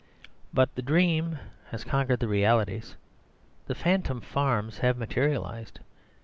But the dream has conquered the realities. The phantom farms have materialised.